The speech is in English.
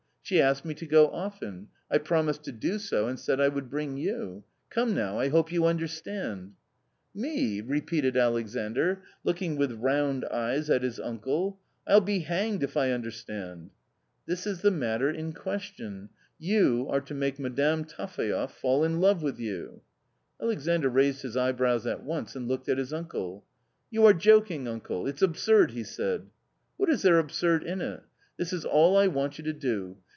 She asked me to go often ; I promised to do so and said I would bring you ^ come, now, I hope you understand ?"" Me ?" repeated Alexandr, looking with round eyes at his uncle. " I'll be banged if I understand." \" This is the matter in question; y ou are to make Madame 1 Taphaev fall, injove with^ou." "~ Alexandr raised his eyebrows at once and looked at his uncle. "You are joking, uncle? it's absurd! " he said. " What is there absurd in it ? This is all I want you to do.